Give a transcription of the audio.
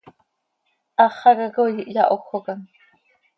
Háxaca coi ihyahójocam.